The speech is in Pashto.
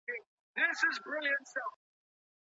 د لاس لیکنه د انسان د خپلواکۍ نښه ده.